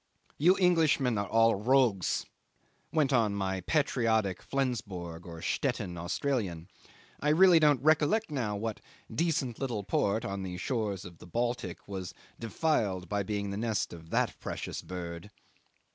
'"You Englishmen are all rogues," went on my patriotic Flensborg or Stettin Australian. I really don't recollect now what decent little port on the shores of the Baltic was defiled by being the nest of that precious bird.